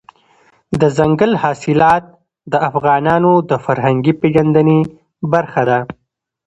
دځنګل حاصلات د افغانانو د فرهنګي پیژندنې برخه ده.